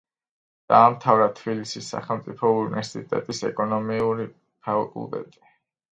დაამთავრა თბილისის სახელმწიფო უნივერსიტეტის ეკონომიური ფაკულტეტი.